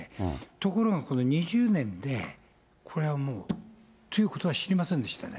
ところがこの２０年で、これはもう、ということは知りませんでしたね。